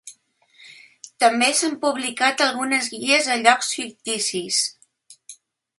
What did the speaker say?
També s'han publicat algunes guies a llocs ficticis.